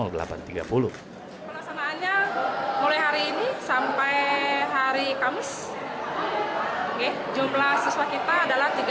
pelaksanaannya mulai hari ini sampai hari kamis jumlah siswa kita adalah tiga puluh